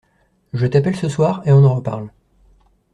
Je t'appelle ce soir et on en reparle.